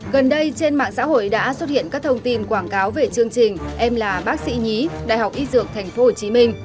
gần đây trên mạng xã hội đã xuất hiện các thông tin quảng cáo về chương trình em là bác sĩ nhí đại học y dược tp hcm